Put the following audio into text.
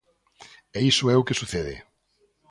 E iso é o que sucede.